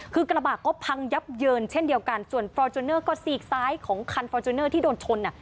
คือกระบะก็พังยับเยินเช่นเดียวกันส่วนฟอร์จูเนอร์ก็ซีกซ้ายของคันฟอร์จูเนอร์ที่โดนชนอ่ะ